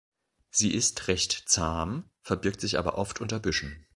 Sie ist recht zahm, verbirgt sich aber oft unter Büschen.